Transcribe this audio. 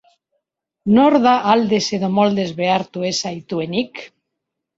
Nor da aldez edo moldez behartu ez zaituenik?